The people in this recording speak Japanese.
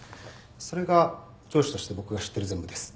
それが上司として僕が知っている全部です。